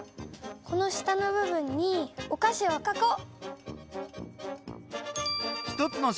この下の部分にお菓子をかこう！